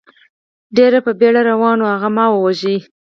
ډېر په بېړه روان و، هغه ما و واژه.